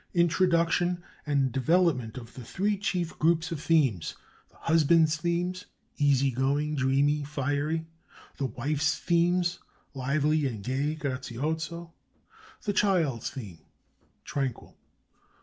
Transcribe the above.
INTRODUCTION and development of the three chief groups of themes: The husband's themes: (a) Easy going, (b) Dreamy, (c) Fiery. The wife's themes: (a) Lively and gay, (b) Grazioso. The child's theme: Tranquil.